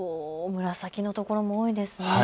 紫の所、多いですね。